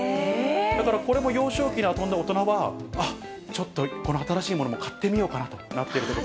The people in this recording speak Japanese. だからこれも幼少期に遊んだ大人は、あっ、ちょっとこの新しいものも買ってみようかなとなっているというこ